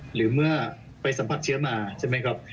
หรือเมื่อไปสัมผัสเชื้อมาใช่ไหมครับ